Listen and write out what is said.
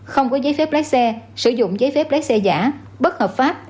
không có giấy phép lái xe sử dụng giấy phép lái xe giả bất hợp pháp